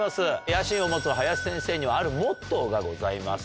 野心を持つ林先生には、あるモットーがございます。